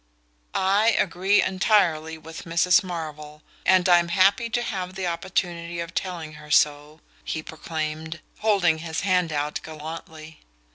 "I agree entirely with Mrs. Marvell and I'm happy to have the opportunity of telling her so," he proclaimed, holding his hand out gallantly.